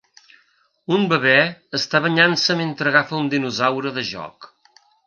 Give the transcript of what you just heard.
Un bebè està banyant-se mentre agafa un dinosaure de joc.